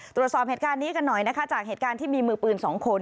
ตรวจสอบเหตุการณ์นี้กันหน่อยนะคะจากเหตุการณ์ที่มีมือปืนสองคน